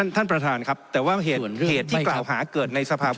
ท่านประธานครับแต่ว่าเหตุที่กล่าวหาเกิดในสภาพ